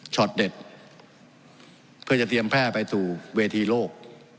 เด็ดเพื่อจะเตรียมแพร่ไปสู่เวทีโลก